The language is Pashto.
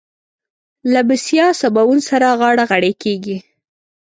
له بسيا سباوون سره غاړه غړۍ کېږي.